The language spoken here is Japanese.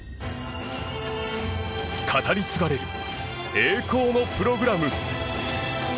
語り継がれる栄光のプログラム。